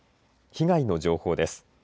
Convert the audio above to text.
被害の情報です。